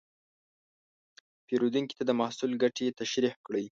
پیرودونکي ته د محصول ګټې تشریح کړئ.